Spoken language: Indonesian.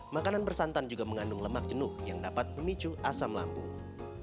makanan bersantan juga mengandung lemak jenuh yang dapat memicu asam lambung